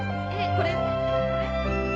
これ？